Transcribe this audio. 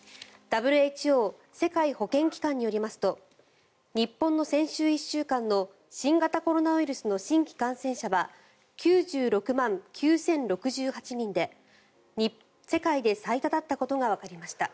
ＷＨＯ・世界保健機関によりますと日本の先週１週間の新型コロナウイルスの新規感染者は９６万９０６８人で世界で最多だったことがわかりました。